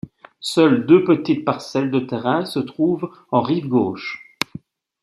Seules deux petites parcelles de terrain se trouvent en rive gauche.